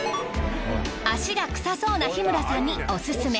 足が臭そうな日村さんにオススメ。